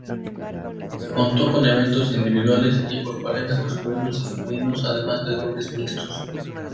Contó con eventos individuales y por parejas masculinos y femeninos, además de dobles mixtos.